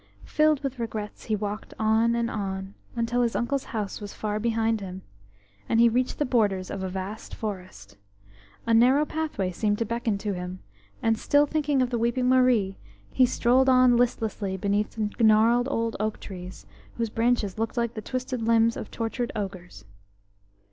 Filled with regrets, he walked on and on, until his uncle's house was far behind him, and he reached the borders of a vast forest. A narrow pathway seemed to beckon to him, and, still thinking of the weeping Marie, he strolled on listlessly beneath gnarled old oak trees, whose branches looked like the twisted limbs of tortured ogres.